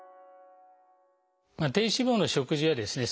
低脂肪の食事はですね